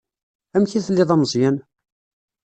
Amek i telliḍ a Meẓyan?